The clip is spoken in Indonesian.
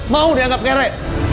mau dianggap kere